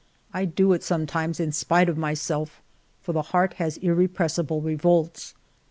I do it sometimes in spite of myself, for the heart has irrepressible revolts.